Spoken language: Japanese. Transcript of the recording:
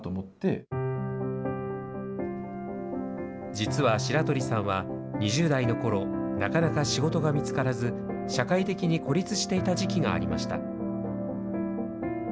実は白取さんは２０代のころ、なかなか仕事が見つからず、社会的に孤立していた時期がありました。